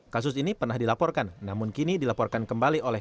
kasus ini pernah dilaporkan namun kini dilaporkan kembali oleh